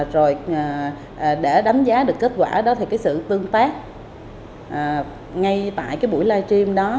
rồi để đánh giá được kết quả đó thì cái sự tương tác ngay tại cái buổi live stream đó